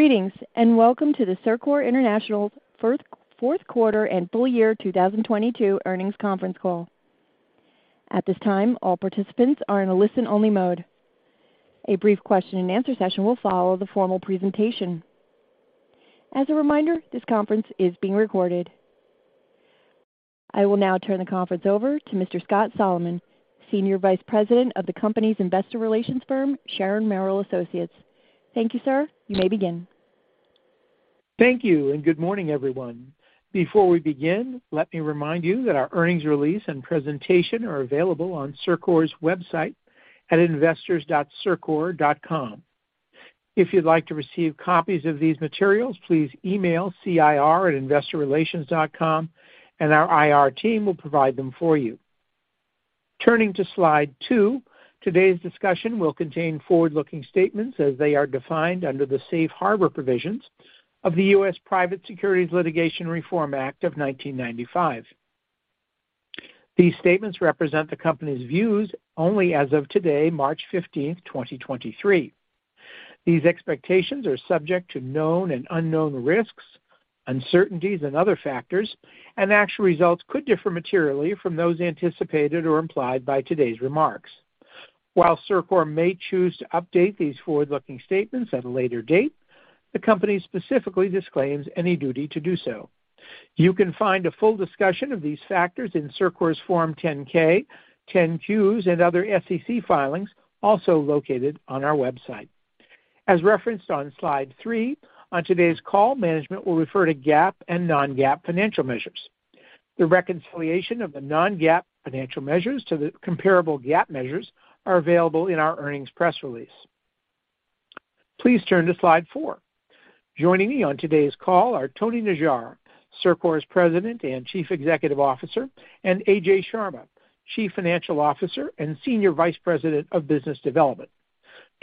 Greetings, welcome to the CIRCOR International's fourth quarter and full year 2022 earnings conference call. At this time, all participants are in a listen-only mode. A brief question-and-answer session will follow the formal presentation. As a reminder, this conference is being recorded. I will now turn the conference over to Mr. Scott Solomon, Senior Vice President of the company's investor relations firm, Sharon Merrill Associates. Thank you, sir. You may begin. Thank you, and good morning, everyone. Before we begin, let me remind you that our earnings release and presentation are available on CIRCOR's website at investors.circor.com. If you'd like to receive copies of these materials, please email cir@investorrelations.com, and our IR team will provide them for you. Turning to slide two, today's discussion will contain forward-looking statements as they are defined under the safe harbor provisions of the U.S. Private Securities Litigation Reform Act of 1995. These statements represent the company's views only as of today, March 15th, 2023. These expectations are subject to known and unknown risks, uncertainties, and other factors, and actual results could differ materially from those anticipated or implied by today's remarks. While CIRCOR may choose to update these forward-looking statements at a later date, the company specifically disclaims any duty to do so. You can find a full discussion of these factors in CIRCOR's Form 10-K, 10-Qs, and other SEC filings also located on our website. As referenced on slide three, on today's call, management will refer to GAAP and non-GAAP financial measures. The reconciliation of the non-GAAP financial measures to the comparable GAAP measures are available in our earnings press release. Please turn to slide four. Joining me on today's call are Tony Najjar, CIRCOR's President and Chief Executive Officer, and AJ Sharma, Chief Financial Officer and Senior Vice President of Business Development.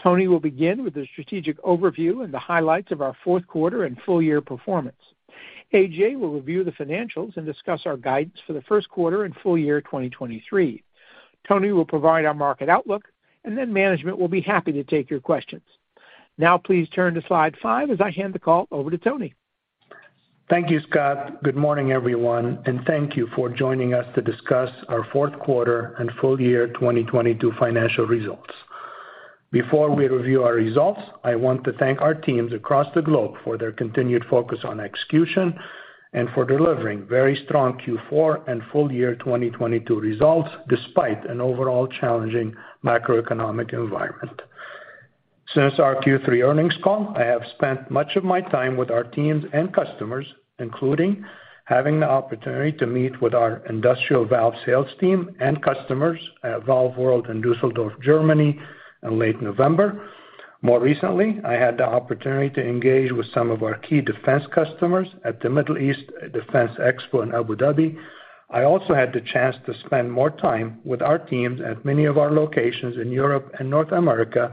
Tony will begin with a strategic overview and the highlights of our fourth quarter and full year performance. AJ will review the financials and discuss our guidance for the first quarter and full year 2023. Tony will provide our market outlook, and then management will be happy to take your questions. Now please turn to slide five as I hand the call over to Tony. Thank you, Scott. Good morning, everyone, thank you for joining us to discuss our fourth quarter and full year 2022 financial results. Before we review our results, I want to thank our teams across the globe for their continued focus on execution and for delivering very strong Q4 and full year 2022 results despite an overall challenging macroeconomic environment. Since our Q3 earnings call, I have spent much of my time with our teams and customers, including having the opportunity to meet with our industrial valve sales team and customers at Valve World in Düsseldorf, Germany in late November. More recently, I had the opportunity to engage with some of our key defense customers at the Middle East Defense Expo in Abu Dhabi. I also had the chance to spend more time with our teams at many of our locations in Europe and North America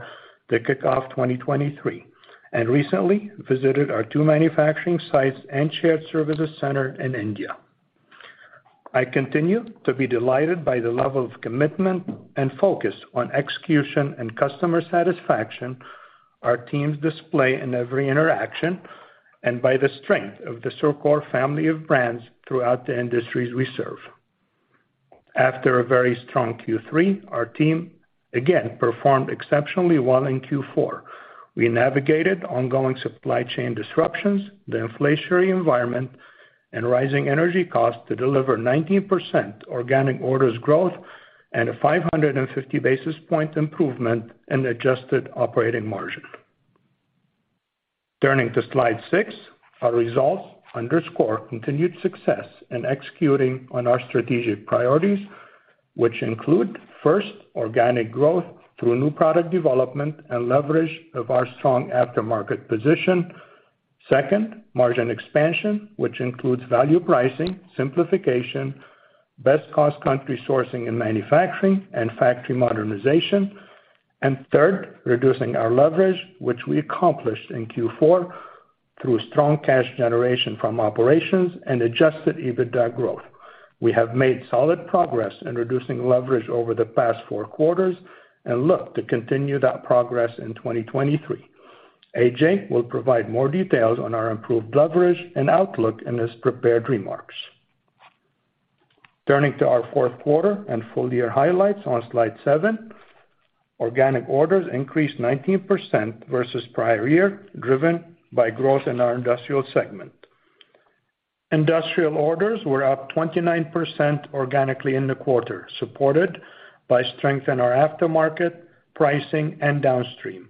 to kick off 2023, and recently visited our two manufacturing sites and shared services center in India. I continue to be delighted by the level of commitment and focus on execution and customer satisfaction our teams display in every interaction and by the strength of the CIRCOR family of brands throughout the industries we serve. After a very strong Q3, our team again performed exceptionally well in Q4. We navigated ongoing supply chain disruptions, the inflationary environment, and rising energy costs to deliver 19% organic orders growth and a 550 basis point improvement in adjusted operating margin. Turning to slide six, our results underscore continued success in executing on our strategic priorities, which include, first, organic growth through new product development and leverage of our strong aftermarket position. Second, margin expansion, which includes value pricing, simplification, best-cost country sourcing and manufacturing, and factory modernization. Third, reducing our leverage, which we accomplished in Q4 through strong cash generation from operations and adjusted EBITDA growth. We have made solid progress in reducing leverage over the past four quarters and look to continue that progress in 2023. AJ will provide more details on our improved leverage and outlook in his prepared remarks. Turning to our fourth quarter and full year highlights on slide seven. Organic orders increased 19% versus prior year, driven by growth in our industrial segment. Industrial orders were up 29% organically in the quarter, supported by strength in our aftermarket, pricing, and downstream.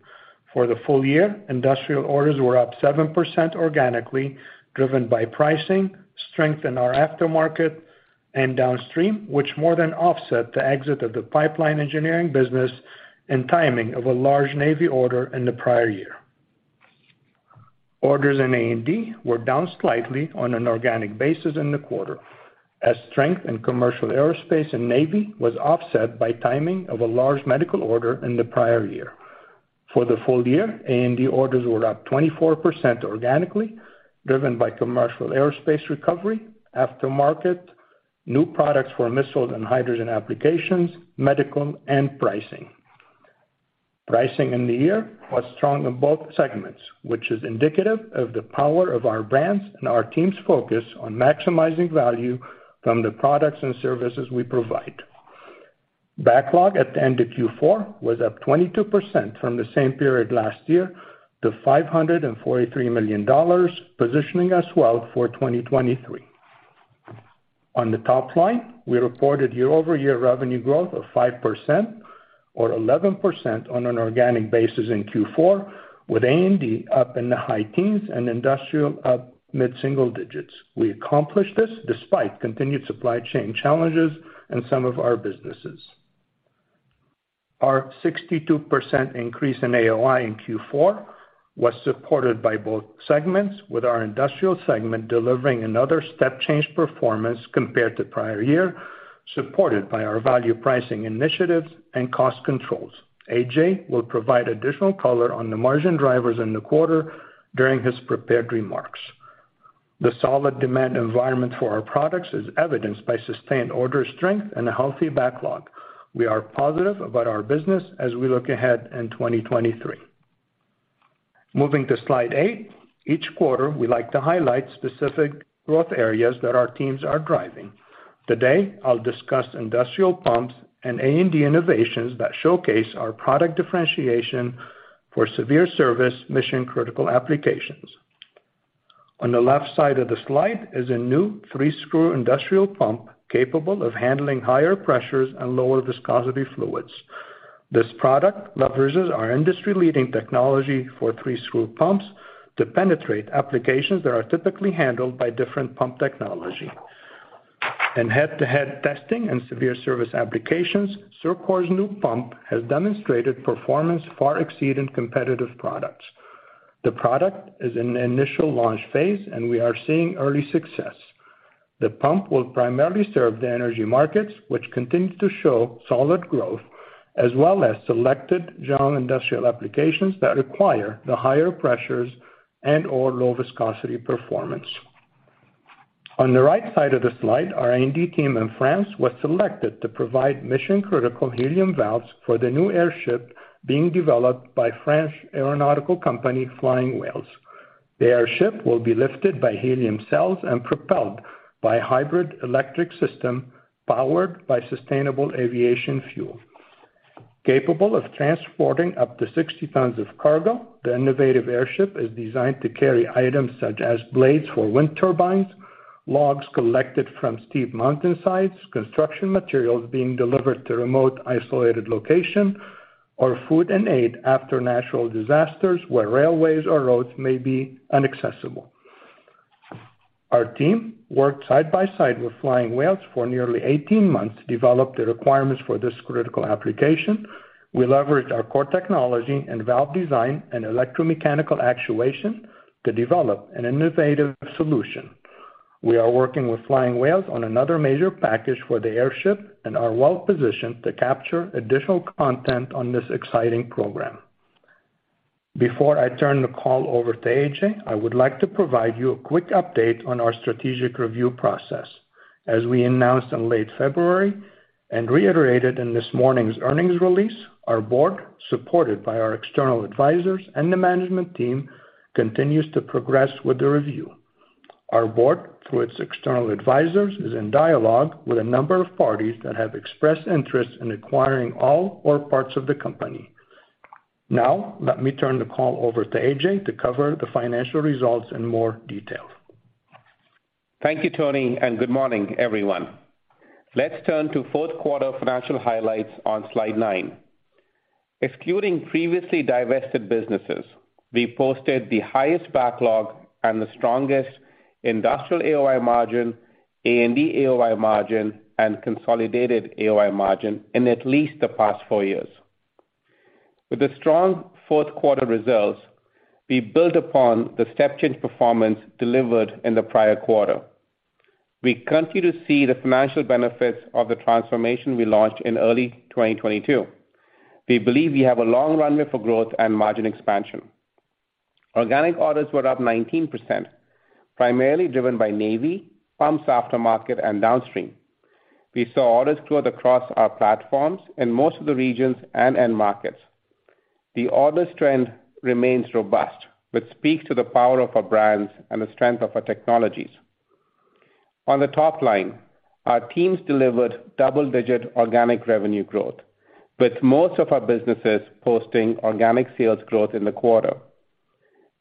For the full year, industrial orders were up 7% organically, driven by pricing, strength in our aftermarket and downstream, which more than offset the exit of the Pipeline Engineering business and timing of a large Navy order in the prior year. Orders in A&D were down slightly on an organic basis in the quarter, as strength in commercial aerospace and Navy was offset by timing of a large medical order in the prior year. For the full year, A&D orders were up 24% organically, driven by commercial aerospace recovery, aftermarket, new products for missiles and hydrogen applications, medical and pricing. Pricing in the year was strong in both segments, which is indicative of the power of our brands and our team's focus on maximizing value from the products and services we provide. Backlog at the end of Q4 was up 22% from the same period last year to $543 million, positioning us well for 2023. On the top line, we reported year-over-year revenue growth of 5% or 11% on an organic basis in Q4, with A&D up in the high teens and industrial up mid-single digits. We accomplished this despite continued supply chain challenges in some of our businesses. Our 62% increase in AOI in Q4 was supported by both segments, with our industrial segment delivering another step-change performance compared to prior year, supported by our value pricing initiatives and cost controls. AJ will provide additional color on the margin drivers in the quarter during his prepared remarks. The solid demand environment for our products is evidenced by sustained order strength and a healthy backlog. We are positive about our business as we look ahead in 2023. Moving to Slide eight, each quarter, we like to highlight specific growth areas that our teams are driving. Today, I'll discuss industrial pumps and A&D innovations that showcase our product differentiation for severe service mission-critical applications. On the left side of the slide is a new three-screw industrial pump capable of handling higher pressures and lower viscosity fluids. This product leverages our industry-leading technology for three-screw pumps to penetrate applications that are typically handled by different pump technology. In head-to-head testing and severe service applications, CIRCOR's new pump has demonstrated performance far exceeding competitive products. The product is in the initial launch phase, and we are seeing early success. The pump will primarily serve the energy markets, which continue to show solid growth, as well as selected general industrial applications that require the higher pressures and/or low viscosity performance. On the right side of the slide, our R&D team in France was selected to provide mission-critical helium valves for the new airship being developed by French aeronautical company Flying Whales. The airship will be lifted by helium cells and propelled by hybrid electric system powered by sustainable aviation fuel. Capable of transporting up to 60 tons of cargo, the innovative airship is designed to carry items such as blades for wind turbines, logs collected from steep mountain sites, construction materials being delivered to remote isolated location, or food and aid after natural disasters where railways or roads may be inaccessible. Our team worked side by side with Flying Whales for nearly 18 months to develop the requirements for this critical application. We leveraged our core technology and valve design and electromechanical actuation to develop an innovative solution. We are working with Flying Whales on another major package for the airship and are well positioned to capture additional content on this exciting program. Before I turn the call over to AJ, I would like to provide you a quick update on our strategic review process. As we announced in late February and reiterated in this morning's earnings release, our board, supported by our external advisors and the management team, continues to progress with the review. Our board, through its external advisors, is in dialogue with a number of parties that have expressed interest in acquiring all or parts of the company. Now, let me turn the call over to AJ to cover the financial results in more detail. Thank you, Tony, and good morning, everyone. Let's turn to fourth quarter financial highlights on Slide nine. Excluding previously divested businesses, we posted the highest backlog and the strongest industrial AOI margin, A&D AOI margin, and consolidated AOI margin in at least the past four years. With the strong fourth quarter results, we built upon the step change performance delivered in the prior quarter. We continue to see the financial benefits of the transformation we launched in early 2022. We believe we have a long runway for growth and margin expansion. Organic orders were up 19%, primarily driven by Navy, pumps aftermarket, and downstream. We saw orders grow across our platforms in most of the regions and end markets. The orders trend remains robust, which speaks to the power of our brands and the strength of our technologies. On the top line, our teams delivered double-digit organic revenue growth, with most of our businesses posting organic sales growth in the quarter.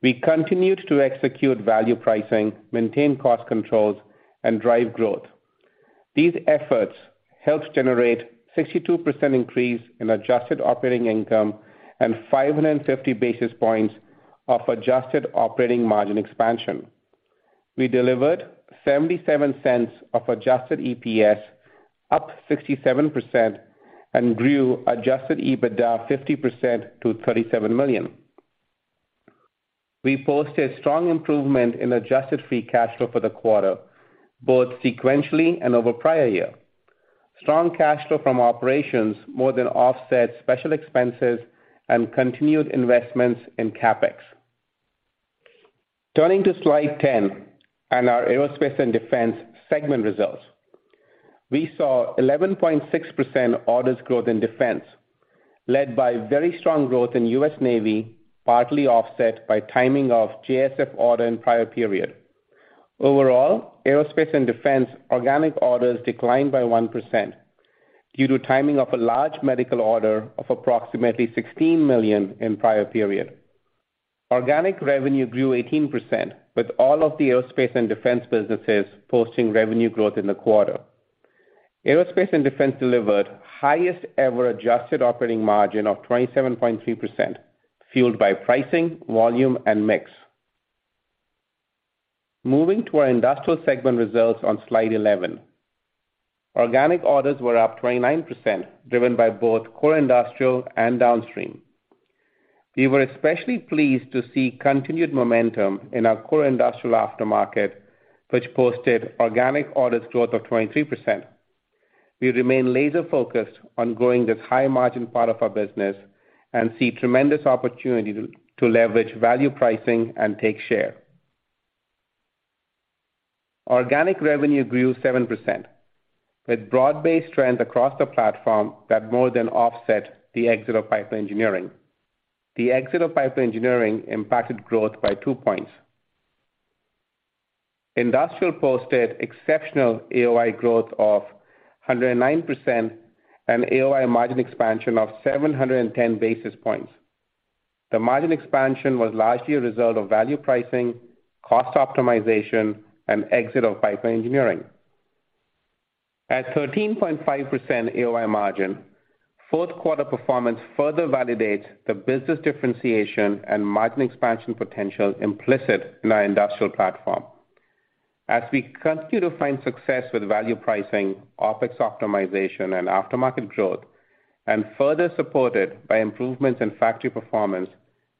We continued to execute value pricing, maintain cost controls, and drive growth. These efforts helped generate 62% increase in adjusted operating income and 550 basis points of adjusted operating margin expansion. We delivered $0.77 of adjusted EPS, up 67% and grew adjusted EBITDA 50% to $37 million. We posted strong improvement in adjusted free cash flow for the quarter, both sequentially and over prior year. Strong cash flow from operations more than offset special expenses and continued investments in CapEx. Turning to slide 10 and our Aerospace & Defense segment results. We saw 11.6% orders growth in defense, led by very strong growth in U.S. Navy, partly offset by timing of JSF order in prior period. Overall, Aerospace & Defense organic orders declined by 1% due to timing of a large medical order of approximately $16 million in prior period. Organic revenue grew 18%, with all of the Aerospace & Defense businesses posting revenue growth in the quarter. Aerospace & Defense delivered highest ever adjusted operating margin of 27.3%, fueled by pricing, volume, and mix. Moving to our industrial segment results on slide 11. Organic orders were up 29%, driven by both core industrial and downstream. We were especially pleased to see continued momentum in our core industrial aftermarket, which posted organic orders growth of 23%. We remain laser-focused on growing this high-margin part of our business and see tremendous opportunity to leverage value pricing and take share. Organic revenue grew 7%, with broad-based trends across the platform that more than offset the exit of Pipeline Engineering. The exit of Pipeline Engineering impacted growth by two points. Industrial posted exceptional AOI growth of 109% and AOI margin expansion of 710 basis points. The margin expansion was largely a result of value pricing, cost optimization, and exit of Pipeline Engineering. At 13.5% AOI margin, fourth quarter performance further validates the business differentiation and margin expansion potential implicit in our industrial platform. As we continue to find success with value pricing, OpEx optimization, and aftermarket growth, and further supported by improvements in factory performance,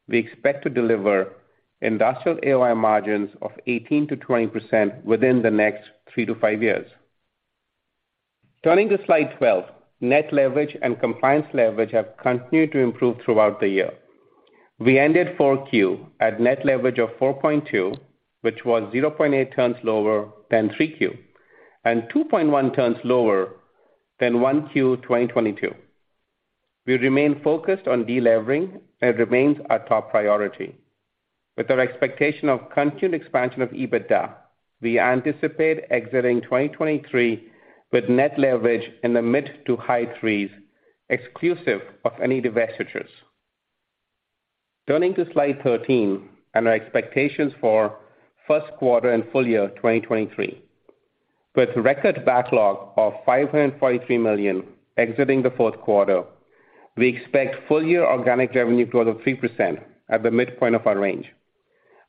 we expect to deliver industrial AOI margins of 18%-20% within the next three to five years. Turning to slide 12, net leverage and compliance leverage have continued to improve throughout the year. We ended 4Q at net leverage of 4.2, which was 0.8 turns lower than 3Q, and 2.1 turns lower than 1Q 2022. We remain focused on delevering. It remains our top priority. With our expectation of continued expansion of EBITDA we anticipate exiting 2023 with net leverage in the mid to high threes, exclusive of any divestitures. Turning to slide 13 and our expectations for first quarter and full year 2023. With record backlog of $543 million exiting the fourth quarter, we expect full year organic revenue growth of 3% at the midpoint of our range.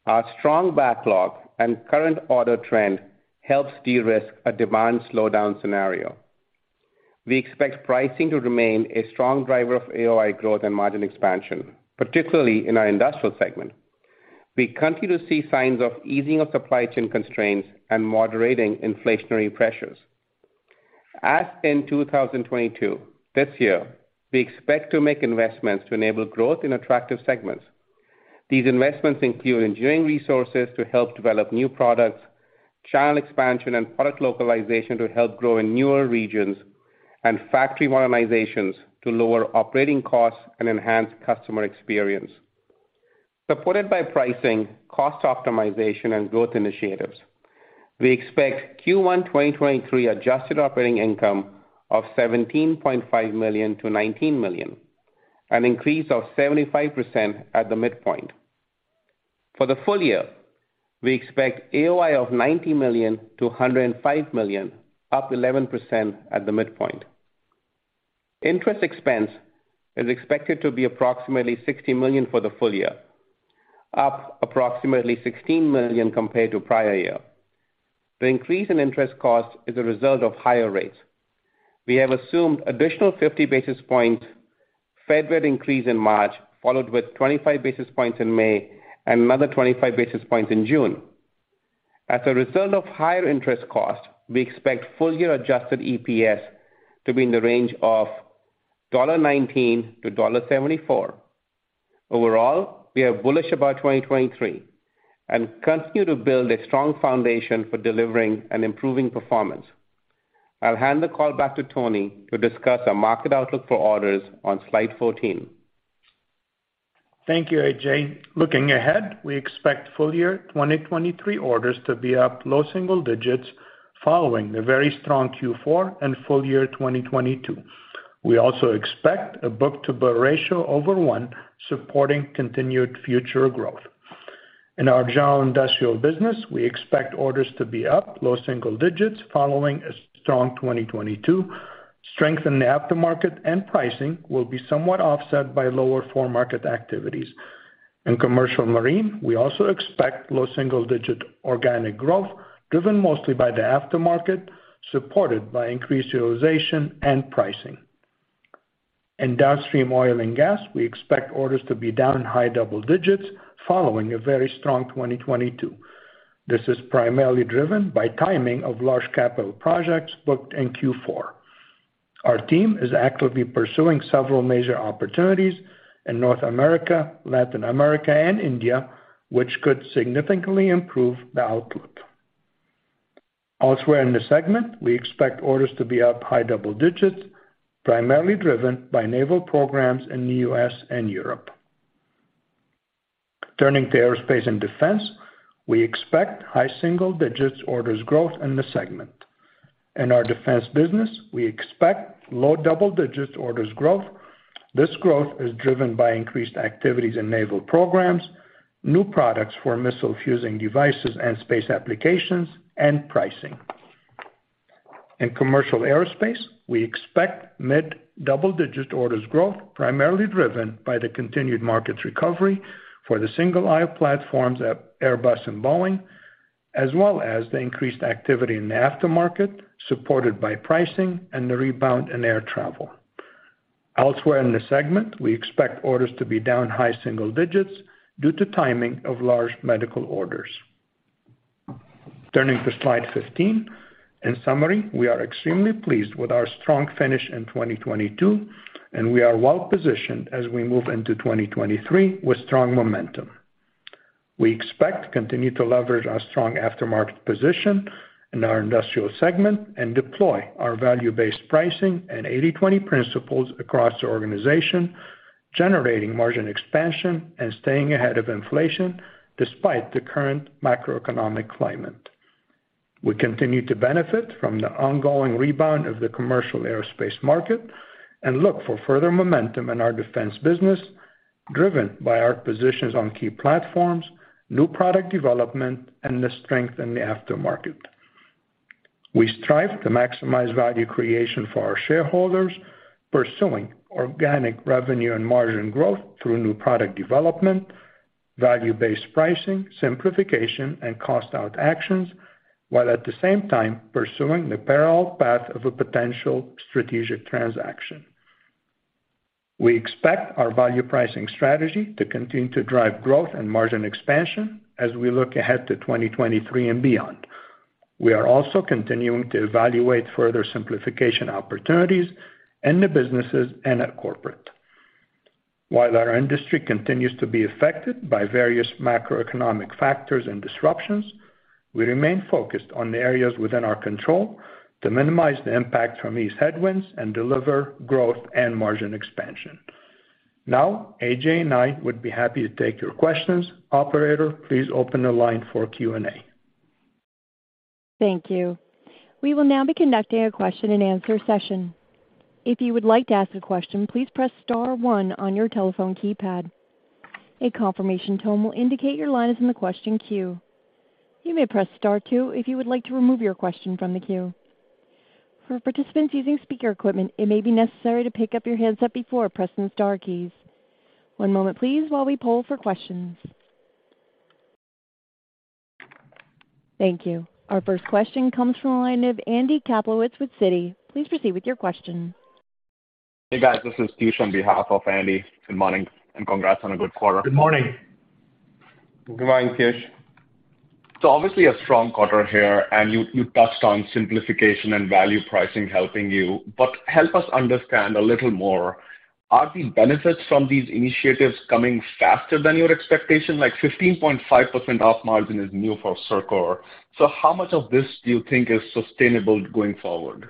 Our strong backlog and current order trend helps de-risk a demand slowdown scenario. We expect pricing to remain a strong driver of AOI growth and margin expansion, particularly in our industrial segment. We continue to see signs of easing of supply chain constraints and moderating inflationary pressures. As in 2022, this year, we expect to make investments to enable growth in attractive segments. These investments include engineering resources to help develop new products, channel expansion and product localization to help grow in newer regions, and factory modernizations to lower operating costs and enhance customer experience. Supported by pricing, cost optimization, and growth initiatives, we expect Q1 2023 adjusted operating income of $17.5 million-$19 million, an increase of 75% at the midpoint. For the full year, we expect AOI of $90 million-$105 million, up 11% at the midpoint. Interest expense is expected to be approximately $60 million for the full year, up approximately $16 million compared to prior year. The increase in interest cost is a result of higher rates. We have assumed additional 50 basis point Fed rate increase in March, followed with 25 basis points in May and another 25 basis points in June. As a result of higher interest costs, we expect full-year adjusted EPS to be in the range of $0.19-$0.74. Overall, we are bullish about 2023 and continue to build a strong foundation for delivering an improving performance. I'll hand the call back to Tony to discuss our market outlook for orders on slide 14. Thank you, AJ. Looking ahead, we expect full year 2023 orders to be up low single digits following the very strong Q4 and full year 2022. We also expect a book-to-bill ratio over one, supporting continued future growth. In our general industrial business, we expect orders to be up low single digits following a strong 2022. Strength in the aftermarket and pricing will be somewhat offset by lower foremarket activities. In commercial marine, we also expect low single-digit organic growth, driven mostly by the aftermarket, supported by increased utilization and pricing. In downstream oil and gas, we expect orders to be down in high double digits following a very strong 2022. This is primarily driven by timing of large capital projects booked in Q4. Our team is actively pursuing several major opportunities in North America, Latin America, and India, which could significantly improve the outlook. Elsewhere in the segment, we expect orders to be up high double digits, primarily driven by naval programs in the U.S. and Europe. Turning to Aerospace & Defense, we expect high single digits orders growth in the segment. In our defense business, we expect low double-digit orders growth. This growth is driven by increased activities in naval programs, new products for missile fusing devices and space applications, and pricing. In commercial aerospace, we expect mid-double-digit orders growth, primarily driven by the continued market recovery for the single-aisle platforms at Airbus and Boeing, as well as the increased activity in the aftermarket, supported by pricing and the rebound in air travel. Elsewhere in the segment, we expect orders to be down high single digits due to timing of large medical orders. Turning to slide 15. In summary, we are extremely pleased with our strong finish in 2022. We are well positioned as we move into 2023 with strong momentum. We expect to continue to leverage our strong aftermarket position in our industrial segment and deploy our value-based pricing and 80/20 principles across the organization, generating margin expansion and staying ahead of inflation despite the current macroeconomic climate. We continue to benefit from the ongoing rebound of the commercial aerospace market and look for further momentum in our defense business, driven by our positions on key platforms, new product development, and the strength in the aftermarket. We strive to maximize value creation for our shareholders, pursuing organic revenue and margin growth through new product development, value-based pricing, simplification, and cost-out actions, while at the same time pursuing the parallel path of a potential strategic transaction. We expect our value pricing strategy to continue to drive growth and margin expansion as we look ahead to 2023 and beyond. We are also continuing to evaluate further simplification opportunities in the businesses and at corporate. While our industry continues to be affected by various macroeconomic factors and disruptions, we remain focused on the areas within our control to minimize the impact from these headwinds and deliver growth and margin expansion. AJ and I would be happy to take your questions. Operator, please open the line for Q&A. Thank you. We will now be conducting a question-and-answer session. If you would like to ask a question, please press star one on your telephone keypad. A confirmation tone will indicate your line is in the question queue. You may press star two if you would like to remove your question from the queue. For participants using speaker equipment, it may be necessary to pick up your headset before pressing star keys. One moment please while we poll for questions. Thank you. Our first question comes from the line of Andrew Kaplowitz with Citi. Please proceed with your question. Hey, guys. This is Kish on behalf of Andy. Good morning, and congrats on a good quarter. Good morning. Good morning, Kish. Obviously a strong quarter here, and you touched on simplification and value pricing helping you, but help us understand a little more. Are the benefits from these initiatives coming faster than your expectation? Like 15.5% op margin is new for CIRCOR. How much of this do you think is sustainable going forward?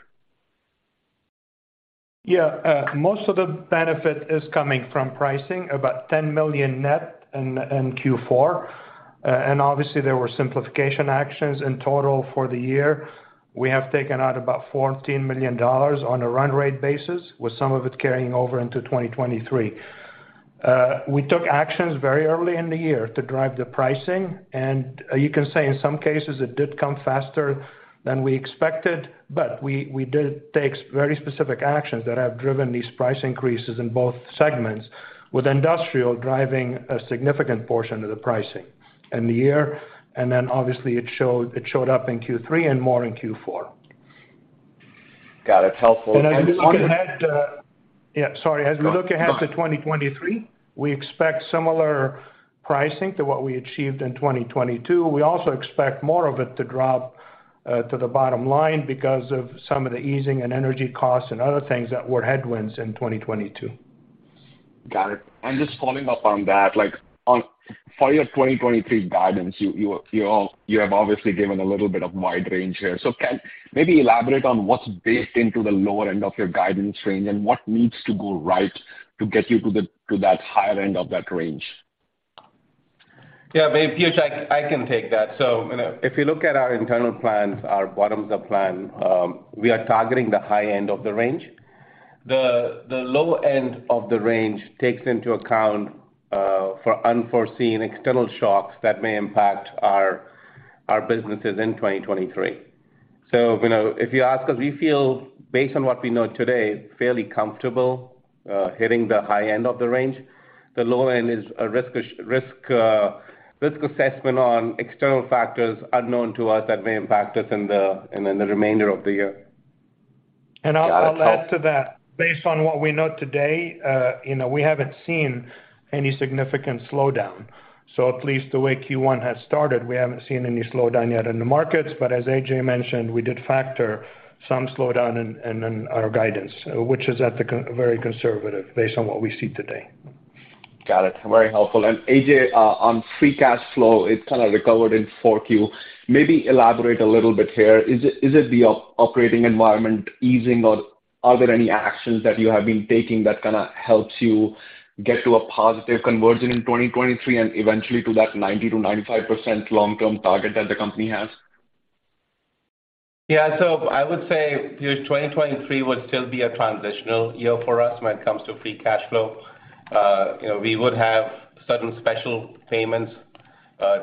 Most of the benefit is coming from pricing, about $10 million net in Q4. Obviously there were simplification actions. In total for the year, we have taken out about $14 million on a run rate basis, with some of it carrying over into 2023. We took actions very early in the year to drive the pricing, you can say in some cases it did come faster than we expected, but we did take very specific actions that have driven these price increases in both segments, with industrial driving a significant portion of the pricing in the year. Obviously it showed up in Q3 and more in Q4. Got it. Helpful. Yeah, sorry. As we look ahead to 2023, we expect similar pricing to what we achieved in 2022. We also expect more of it to drop to the bottom line because of some of the easing in energy costs and other things that were headwinds in 2022. Got it. Just following up on that, like for your 2023 guidance, you have obviously given a little bit of wide range here. Can maybe elaborate on what's baked into the lower end of your guidance range and what needs to go right to get you to that higher end of that range? Yeah, maybe, Kish, I can take that. You know, if you look at our internal plans, our bottoms-up plan, we are targeting the high end of the range. The low end of the range takes into account for unforeseen external shocks that may impact our businesses in 2023. You know, if you ask us, we feel, based on what we know today, fairly comfortable hitting the high end of the range. The low end is a risk assessment on external factors unknown to us that may impact us in the remainder of the year. I'll add to that. Based on what we know today, you know, we haven't seen any significant slowdown. At least the way Q1 has started, we haven't seen any slowdown yet in the markets. As AJ mentioned, we did factor some slowdown in our guidance, which is very conservative based on what we see today. Got it. Very helpful. AJ, on free cash flow, it kind of recovered in 4Q. Maybe elaborate a little bit here. Is it the operating environment easing or are there any actions that you have been taking that kinda helps you get to a positive conversion in 2023 and eventually to that 90%-95% long-term target that the company has? I would say year 2023 would still be a transitional year for us when it comes to free cash flow. You know, we would have certain special payments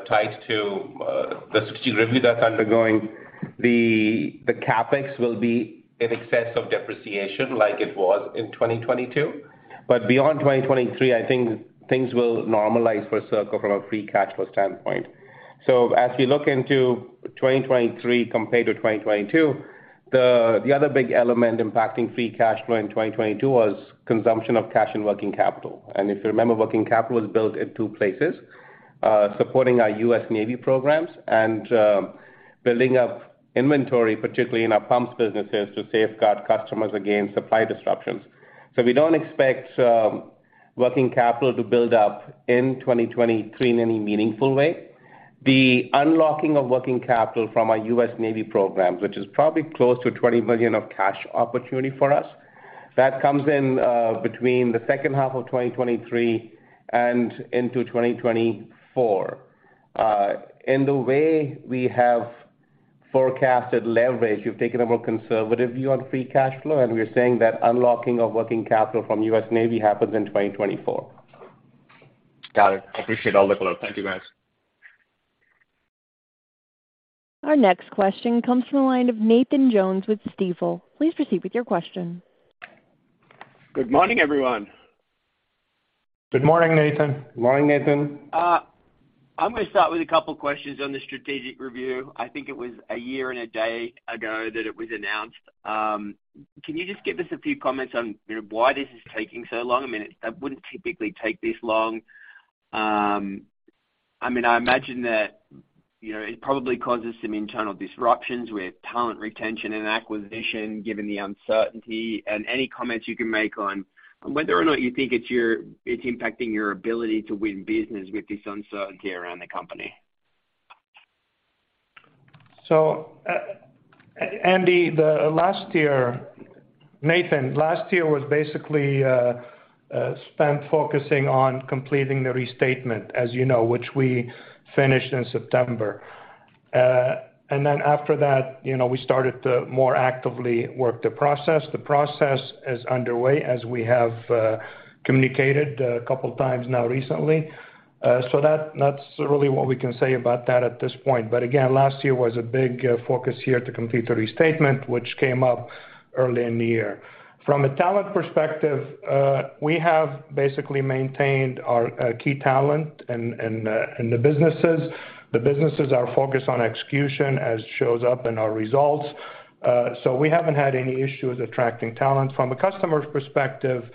tied to the strategic review that's undergoing. The CapEx will be in excess of depreciation like it was in 2022. Beyond 2023, I think things will normalize for CIRCOR from a free cash flow standpoint. As we look into 2023 compared to 2022, the other big element impacting free cash flow in 2022 was consumption of cash and working capital. If you remember, working capital was built in two places, supporting our U.S. Navy programs and building up inventory, particularly in our pumps businesses, to safeguard customers against supply disruptions. We don't expect working capital to build up in 2023 in any meaningful way. The unlocking of working capital from our U.S. Navy programs, which is probably close to $20 billion of cash opportunity for us, that comes in between the second half of 2023 and into 2024. The way we have forecasted leverage, we've taken a more conservative view on free cash flow, and we're saying that unlocking of working capital from U.S. Navy happens in 2024. Got it. Appreciate all the color. Thank you, guys. Our next question comes from the line of Nathan Jones with Stifel. Please proceed with your question. Good morning, everyone. Good morning, Nathan. Morning, Nathan. I'm gonna start with a couple questions on the strategic review. I think it was a year and a day ago that it was announced. Can you just give us a few comments on, you know, why this is taking so long? I mean, that wouldn't typically take this long. I mean, I imagine that, you know, it probably causes some internal disruptions with talent retention and acquisition given the uncertainty. Any comments you can make on whether or not you think it's impacting your ability to win business with this uncertainty around the company. Andy last year. Nathan, last year was basically spent focusing on completing the restatement as you know, which we finished in September. Then after that, you know, we started to more actively work the process. The process is underway as we have communicated a couple times now recently. That's really what we can say about that at this point. Again, last year was a big focus year to complete the restatement which came up early in the year. From a talent perspective, we have basically maintained our key talent in the businesses. The businesses are focused on execution as shows up in our results. We haven't had any issues attracting talent. From the customer's perspective,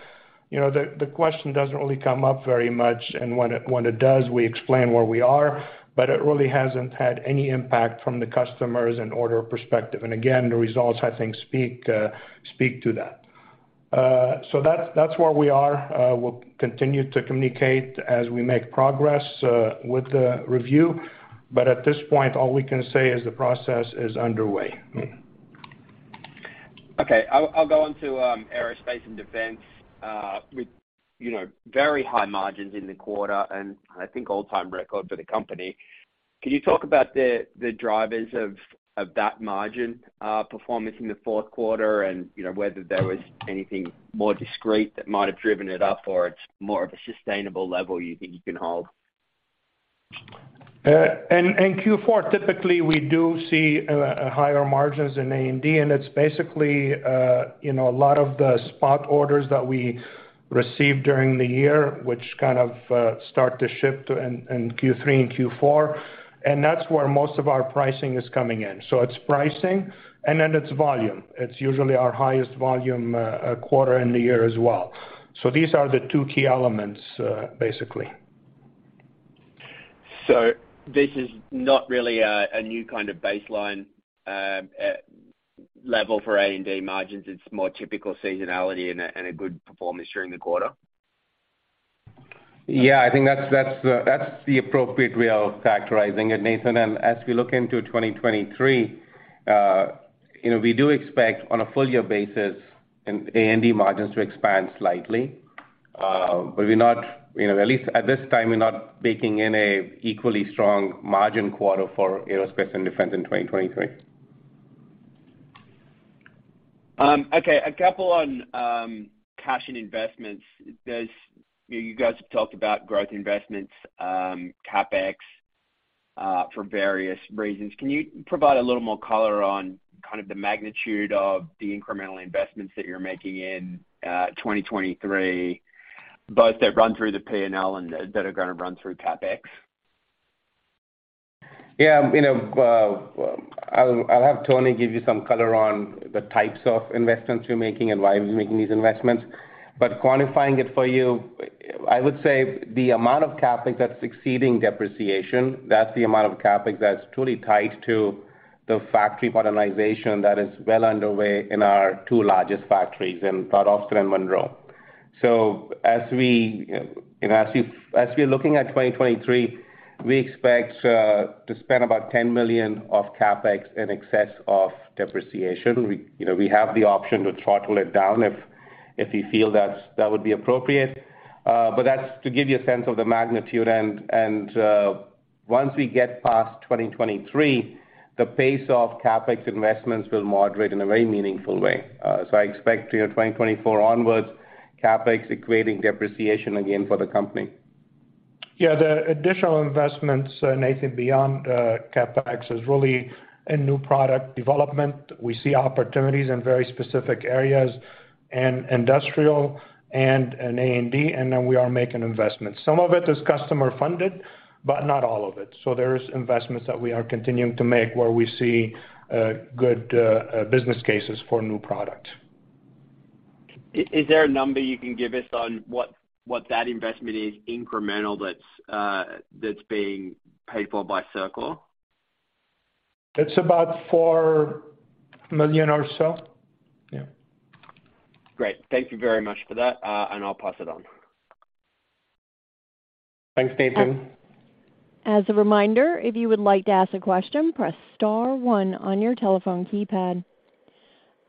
you know, the question doesn't really come up very much, and when it does we explain where we are, but it really hasn't had any impact from the customers and order perspective. Again, the results I think speak to that. That's where we are. We'll continue to communicate as we make progress with the review. At this point, all we can say is the process is underway. Okay. I'll go on to Aerospace & Defense, with, you know, very high margins in the quarter and I think all-time record for the company. Can you talk about the drivers of that margin performance in the fourth quarter and, you know, whether there was anything more discrete that might have driven it up or it's more of a sustainable level you think you can hold? In Q4, typically we do see higher margins in A&D, and it's basically, you know, a lot of the spot orders that we received during the year which kind of, start to ship in Q3 and Q4, and that's where most of our pricing is coming in. It's pricing, and then it's volume. It's usually our highest volume quarter in the year as well. These are the two key elements, basically. This is not really a new kind of baseline level for A&D margins. It's more typical seasonality and a good performance during the quarter? Yeah. I think that's the appropriate way of factorizing it, Nathan. As we look into 2023, you know, we do expect on a full year basis A&D margins to expand slightly. We're not, you know, at least at this time, we're not baking in a equally strong margin quarter for Aerospace & Defense in 2023. Okay. A couple on cash and investments. You guys have talked about growth investments, CapEx, for various reasons. Can you provide a little more color on kind of the magnitude of the incremental investments that you're making in 2023, both that run through the P&L and that are gonna run through CapEx? You know, I'll have Tony give you some color on the types of investments we're making and why we're making these investments. Quantifying it for you, I would say the amount of CapEx that's exceeding depreciation, that's the amount of CapEx that's truly tied to the factory modernization that is well underway in our two largest factories in Port Austin and Monroe. As we, you know, as we're looking at 2023, we expect to spend about $10 million of CapEx in excess of depreciation. We, you know, we have the option to throttle it down if we feel that would be appropriate. That's to give you a sense of the magnitude. Once we get past 2023, the pace of CapEx investments will moderate in a very meaningful way. I expect, you know, 2024 onwards, CapEx equating depreciation again for the company. Yeah. The additional investments, Nathan, beyond CapEx is really in new product development. We see opportunities in very specific areas in industrial and in A&D, we are making investments. Some of it is customer funded, but not all of it. There is investments that we are continuing to make where we see good business cases for new product. Is there a number you can give us on what that investment is incremental that's being paid for by CIRCOR? It's about $4 million or so. Yeah. Great. Thank you very much for that. I'll pass it on. Thanks, Nathan. As a reminder, if you would like to ask a question, press star one on your telephone keypad.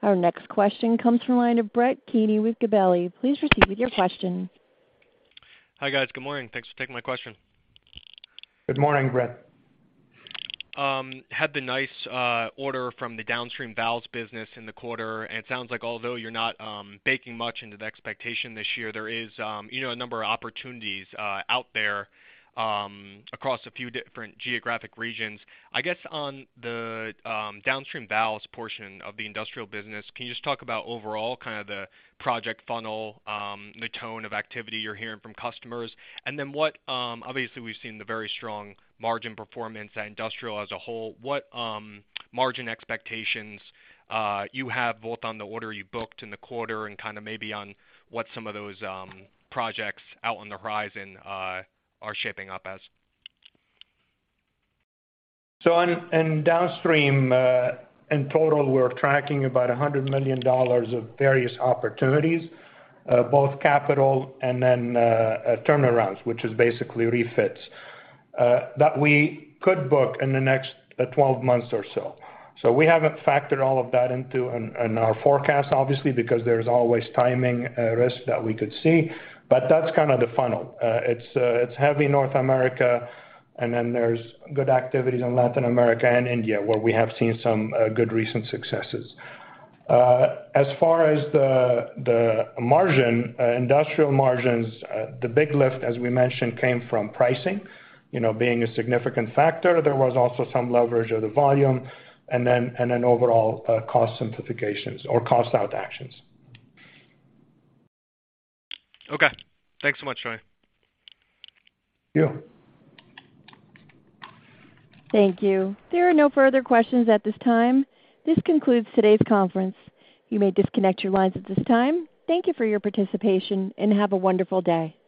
Our next question comes from line of Brett Kearney with Gabelli. Please proceed with your question. Hi, guys. Good morning. Thanks for taking my question. Good morning, Brett. Had the nice order from the downstream valves business in the quarter, and it sounds like although you're not baking much into the expectation this year, there is, you know, a number of opportunities out there across a few different geographic regions. I guess on the downstream valves portion of the industrial business, can you just talk about overall kind of the project funnel, the tone of activity you're hearing from customers? And then what obviously we've seen the very strong margin performance at industrial as a whole, what margin expectations you have both on the order you booked in the quarter and kinda maybe on what some of those projects out on the horizon are shaping up as? In, in downstream, in total, we're tracking about $100 million of various opportunities, both capital and then, turnarounds, which is basically refits, that we could book in the next 12 months or so. We haven't factored all of that into, in our forecast obviously, because there's always timing risks that we could see, but that's kind of the funnel. It's, it's heavy North America, and then there's good activities in Latin America and India, where we have seen some good recent successes. As far as the margin, industrial margins, the big lift, as we mentioned, came from pricing, you know, being a significant factor. There was also some leverage of the volume and then overall, cost simplifications or cost out actions. Okay. Thanks so much, Troy. Thank you. Thank you. There are no further questions at this time. This concludes today's conference. You may disconnect your lines at this time. Thank you for your participation, and have a wonderful day.